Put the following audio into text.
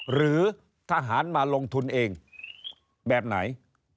หรือทหารมาลงทุนเองแบบไหน